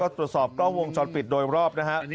ตรวจสอบกล้องวงจรปิดโดยรอบนะฮะ